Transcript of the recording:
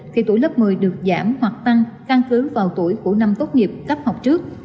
khi tuổi lớp một mươi được giảm hoặc tăng căn cứ vào tuổi của năm tốt nghiệp cấp học trước